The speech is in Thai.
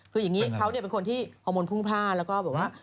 คืออย่างนี้เขาเนี่ยเป็นคนที่ฮอร์โมนพุ่งผ้าแล้วก็บอกว่า